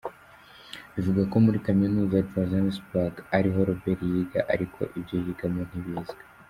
Bivugwa ko muri Kaminuza ya Johannesburg ariho Robert yiga ariko ibyo yigamo ntibizwi.